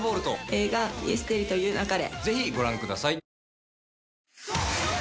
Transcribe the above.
映画『ミステリと言う勿れ』